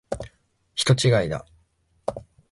人違いだ。